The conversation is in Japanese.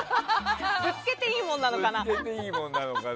ぶつけていいものなのかな？